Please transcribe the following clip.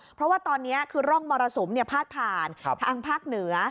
เพราะว่าตอนนี้คือร่องมรสุมพาดผ่านทางภาคเหนือ